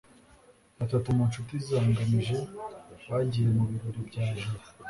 batatu mu nshuti za ngamije bagiye mu birori bya jabo